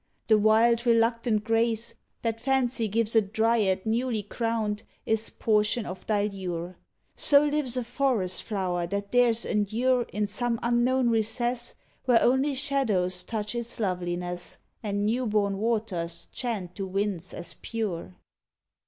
The wild, reluctant grace That fancy gives a dryad newly crowned Is portion of thy lure; So lives a forest flower that dares endure In some unknown recess Where only shadows touch its loveliness, And new born waters chant to winds as pure.